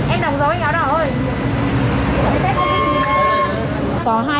em đồng giấu anh áo đỏ thôi